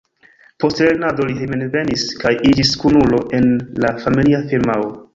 Post lernado li hejmenvenis kaj iĝis kunulo en la familia firmao.